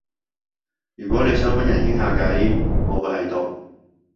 如果你想搵人傾下偈，我會喺度